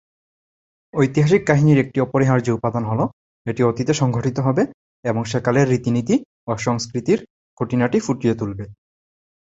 ঐতিহাসিক কাহিনির একটি অপরিহার্য উপাদান হলো এটি অতীতে সংঘটিত হবে এবং সেকালের রীতিনীতি ও সংস্কৃতির খুঁটিনাটি ফুটিয়ে তুলবে।